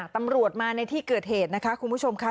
ตำรวจมาในที่เกิดเหตุนะคะคุณผู้ชมค่ะ